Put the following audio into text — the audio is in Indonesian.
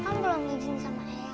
mama juga pengen sama ayah